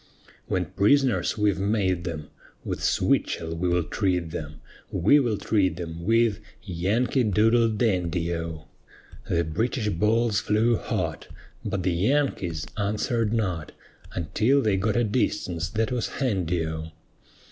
"When prisoners we've made them, With switchell we will treat them, We will treat them with 'Yankee Doodle Dandy' O;" The British balls flew hot, But the Yankees answered not, Until they got a distance that was handy O.